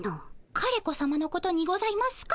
枯れ子さまのことにございますか？